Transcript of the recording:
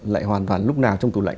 lại hoàn toàn lúc nào trong tủ lạnh